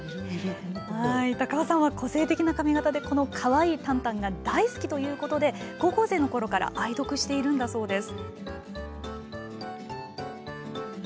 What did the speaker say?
高尾さんは個性的な髪形でこのかわいいタンタンが大好きということで高校生の頃から愛読しているんだそうです。